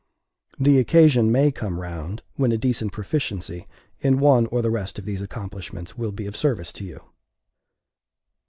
The occasion may come round, when a decent proficiency in one or the rest of these accomplishments will be of service to you.